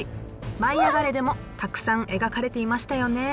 「舞いあがれ！」でもたくさん描かれていましたよね。